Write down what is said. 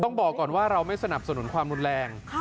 บอกก่อนว่าเราไม่สนับสนุนความรุนแรง